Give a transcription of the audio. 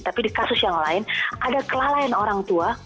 tapi di kasus yang lain ada kelalaian orang tua